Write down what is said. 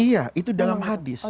iya itu dalam hadis